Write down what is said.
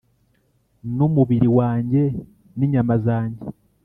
n’umubiri wanjye n’inyama zanjye,